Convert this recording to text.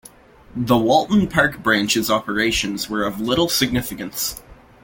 The Walton Park Branch's operations were of little significance.